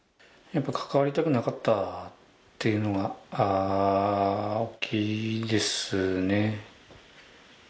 やっぱり関わりたくなかったっていうのが大きいですね。